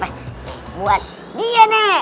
buat dia nek